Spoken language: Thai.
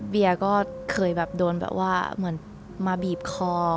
เบียร์ก็เคยแบบโดนแบบว่าเหมือนมาบีบคอ